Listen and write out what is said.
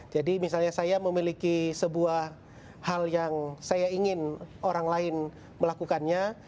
jadi misalnya saya memiliki sebuah hal yang saya ingin orang lain melakukannya